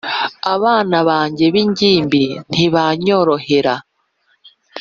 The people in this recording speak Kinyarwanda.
abana banjye b ingimbi ntibanyorohera